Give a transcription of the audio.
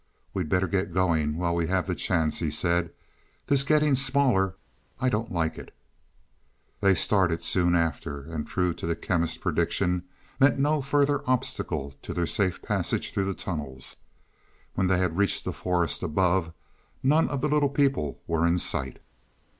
"We'd better get going while we have the chance," he said. "This getting smaller I don't like it." They started soon after, and, true to the Chemist's prediction, met no further obstacle to their safe passage through the tunnels. When they had reached the forest above, none of the little people were in sight.